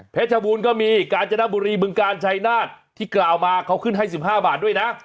บูรณก็มีกาญจนบุรีบึงกาลชายนาฏที่กล่าวมาเขาขึ้นให้๑๕บาทด้วยนะ